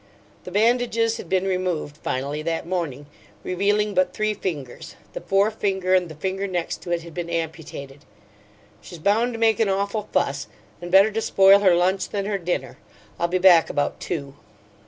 The bandages had been removed, finally, that morning, revealing but three fingers the forefinger and the finger next to it had been amputated. "She's bound to make an awful fuss, and better to spoil her lunch than her dinner. I'll be back about two."